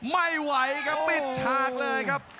ไม่ไหวครับปิดฉากเลยครับ